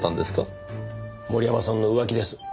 森山さんの浮気です。